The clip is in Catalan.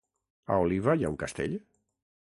A Oliva hi ha un castell?